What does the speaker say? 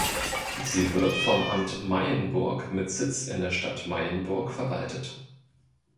Sie wird vom Amt Meyenburg mit Sitz in der Stadt Meyenburg verwaltet.